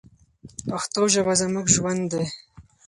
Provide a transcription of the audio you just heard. پښتو ژبه زموږ ژوند دی.